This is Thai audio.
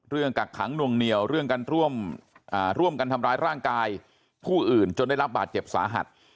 กักขังนวงเหนียวเรื่องการร่วมกันทำร้ายร่างกายผู้อื่นจนได้รับบาดเจ็บสาหัส